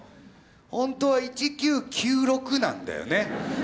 ほんとは「１９９６」なんだよね。